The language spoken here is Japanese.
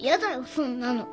そんなの。